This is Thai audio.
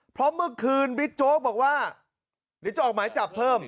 พร้อมเมื่อคืนวิจโนบ๊าลว์บอกว่านี่จะออกหมายจับเพิ่ม